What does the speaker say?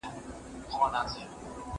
کتابونه د زده کوونکي له خوا ليکل کيږي،